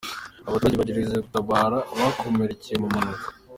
Abaturage bagerageza gutabara abakomerekeye mu mpanuka.